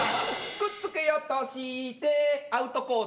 くっつけようとしてアウトコース